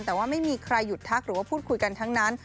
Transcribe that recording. แต่ว่าไม่มีใครหยุดทักหรือว่าพูดคุยกันทั้งนั้น